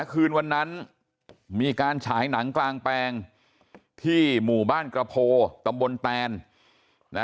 คืนวันนั้นมีการฉายหนังกลางแปลงที่หมู่บ้านกระโพตำบลแตนนะ